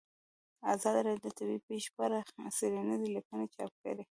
ازادي راډیو د طبیعي پېښې په اړه څېړنیزې لیکنې چاپ کړي.